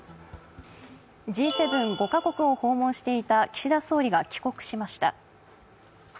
Ｇ７・５か国を訪問していた岸田総理が帰国しました。